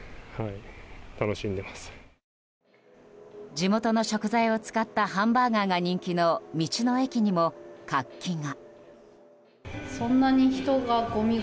地元の食材を使ったハンバーガーが人気の道の駅にも、活気が。